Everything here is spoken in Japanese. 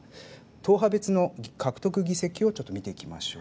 党派別の獲得議席をちょっと見ていきましょう。